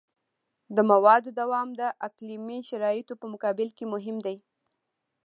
د موادو دوام د اقلیمي شرایطو په مقابل کې مهم دی